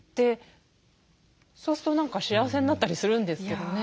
そうすると何か幸せになったりするんですけどね。